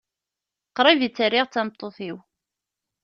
Qrib i tt-rriɣ d tameṭṭut-iw.